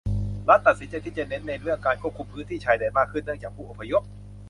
รัฐตัดสินใจที่จะเน้นในเรื่องการควบคุมพื้นที่ชายแดนมากขึ้นเนื่องจากผู้อพยพ